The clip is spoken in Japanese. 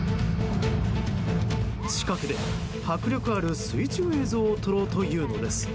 近くで迫力ある水中映像を撮ろうというのです。